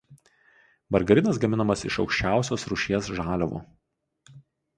Margarinas gaminamas iš aukščiausios rūšies žaliavų.